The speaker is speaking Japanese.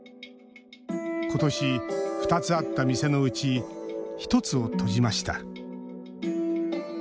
ことし、２つあった店のうち１つを閉じました。